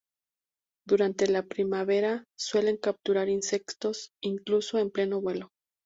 Durante la primavera suelen capturar insectos incluso en pleno vuelo.